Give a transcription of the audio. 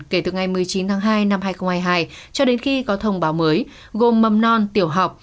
kể từ ngày một mươi chín tháng hai năm hai nghìn hai mươi hai cho đến khi có thông báo mới gồm mầm non tiểu học